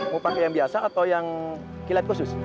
mau pakai yang biasa atau yang kilat khusus